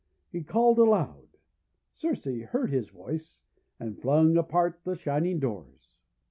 He called aloud. Circe heard his voice, and flung apart the shining doors.